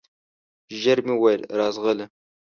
ژر مي وویل ! راځغله